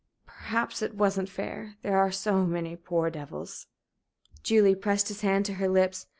Perhaps it wasn't fair. There are so many poor devils." Julie pressed his hand to her lips.